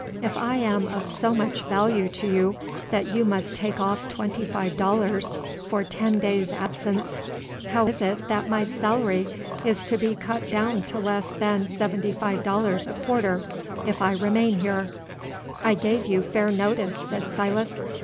If I am of so much value to you that you must take off twenty five dollars for ten days' absence, how is it that my salary is to be cut down to less than seventy five dollars a quarter, if I remain here?" "I gave you fair notice," said Silas.